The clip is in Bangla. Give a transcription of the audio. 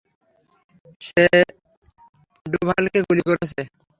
সে ডুভালকে গুলি করেছে।